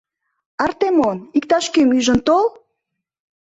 — Артемон, иктаж-кӧм ӱжын тол!